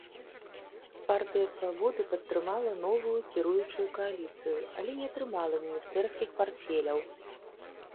Партыя свабоды падтрымала новую кіруючую кааліцыю, але не атрымала міністэрскіх партфеляў.